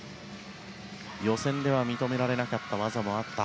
予選では認められなかった技もあった。